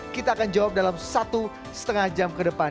kita akan jawab dalam satu setengah jam ke depan